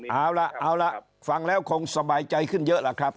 เอาล่ะเอาล่ะฟังแล้วคงสบายใจขึ้นเยอะล่ะครับ